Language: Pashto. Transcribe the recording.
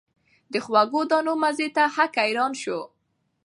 د خوږو دانو مزې ته هک حیران سو